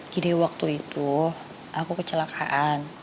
waktu itu aku kecelakaan